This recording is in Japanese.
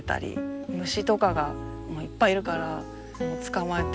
虫とかがいっぱいいるから捕まえて。